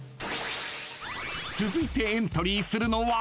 ［続いてエントリーするのは］